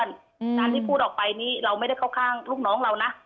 การที่พูดออกไปนี้เราไม่ได้เข้าข้างลูกน้องเรานะ